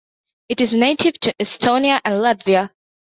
It is native to Estonia and Latvia.